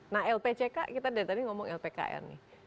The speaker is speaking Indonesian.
nah lpck kita dari tadi ngomong lpkn nih